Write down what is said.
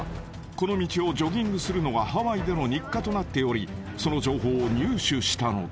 この道をジョギングするのがハワイでの日課となっておりその情報を入手したのだ］